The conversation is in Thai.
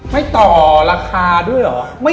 ไม่ต่อราคาด้วยเหรอ